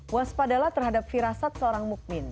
waspadalah terhadap firasat seorang mukmin